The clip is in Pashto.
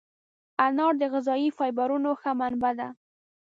انار د غذایي فایبرونو ښه منبع ده.